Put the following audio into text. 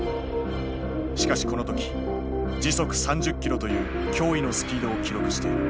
しかしこの時時速３０ｋｍという脅威のスピードを記録している。